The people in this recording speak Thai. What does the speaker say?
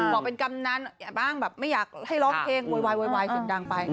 บอกเป็นกำนานแอบอ้างไม่อยากให้ร้องเพลงโวยวายสิ่งดังไป